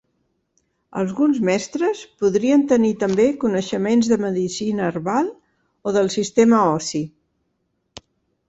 Alguns mestres podrien tenir també coneixements de medicina herbal o del sistema ossi.